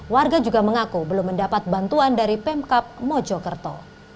warga juga mengaku belum mendapat bantuan dari pemkap mojokerto